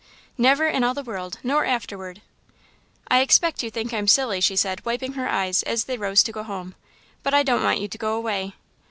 "Never in all the world nor afterward." "I expect you think I'm silly," she said, wiping her eyes, as they rose to go home, "but I don't want you to go away."